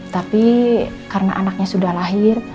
tapi karena anaknya sudah lahir